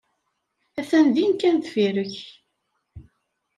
Attan din kan deffir-k.